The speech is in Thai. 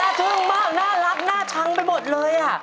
ทึ่งมากน่ารักน่าชังไปหมดเลย